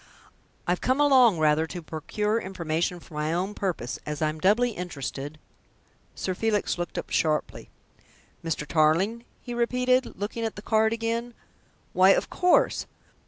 I've come along rather to procure information for my own purpose as I am doubly interested " Sir Felix looked up sharply. "Mr. Tarling?" he repeated, looking at the card again. "Why, of course!